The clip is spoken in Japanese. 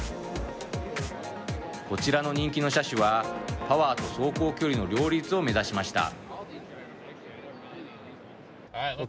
こちらの人気の車種はパワーと走行距離の両立を目指しました。